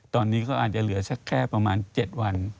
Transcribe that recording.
ตอนนี้ก็อาจจะเหลือสักแค่ประมาณ๗วัน